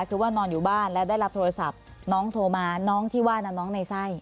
คือว่านอนอยู่บ้านแล้วได้รับโทรศัพท์น้องโทรมาน้องที่ว่านั้นน้องในไส้